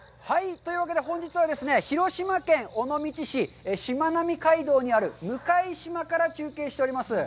というわけで、本日はですね、広島県尾道市、しまなみ海道にある向島から中継しております。